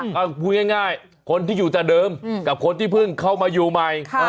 ก็พูดง่ายคนที่อยู่แต่เดิมกับคนที่เพิ่งเข้ามาอยู่ใหม่